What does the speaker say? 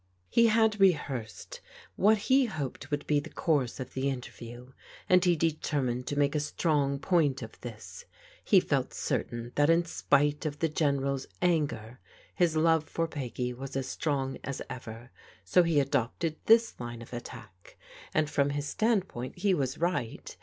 He had rehearsed what he hoped would be the course of the interview, and he determined to make a strong point of this. He felt certain that in spite of the General's anger his love for Peggy was as strong as ever, so he adopted this line of attack: and from his standpoint he was right.